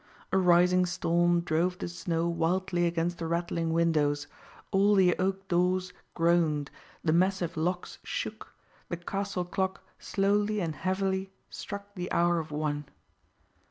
A rising storm drove the snow wildly against the rattling windows; all the oak doors groaned, the massive locks shook, the castle clock slowly and heavily struck the hour of one.